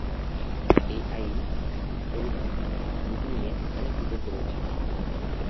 এই আইন /প্রবিধান/নীতি নিয়ে অনেক বিতর্ক রয়েছে।